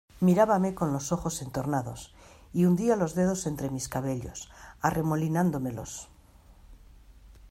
mirábame con los ojos entornados, y hundía los dedos entre mis cabellos , arremolinándomelos.